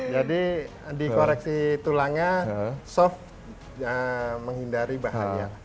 jadi dikoreksi tulangnya soft menghindari bahaya